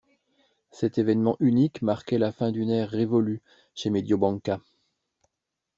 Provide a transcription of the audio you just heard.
Cet évènement unique marquait la fin d'une ère révolue chez Mediobanca.